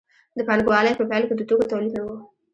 د پانګوالۍ په پیل کې د توکو تولید نه و.